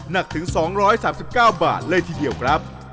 หนักถึง๒๓๙บาทเลยทีเดียวครับ